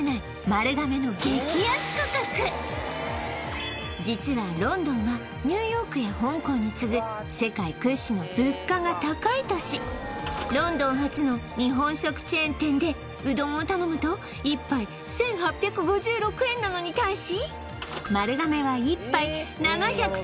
丸亀の実はロンドンはニューヨークや香港に次ぐ世界屈指の物価が高い都市ロンドン発の日本食チェーン店でうどんを頼むと１杯１８５６円なのに対し丸亀は１杯７３４円